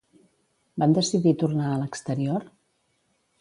Van decidir tornar a l'exterior?